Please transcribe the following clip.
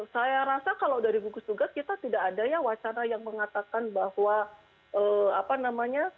saya rasa kalau dari gugus tugas kita tidak ada ya wacana yang mengatakan bahwa apa namanya